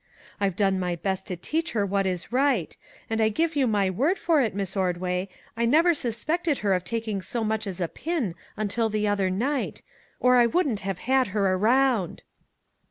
I've done my best to teach her what was right ; and I give you my word for it, Miss Ordway, I never suspected her of taking so much as a pin until the other night, or I wouldn't have had her around."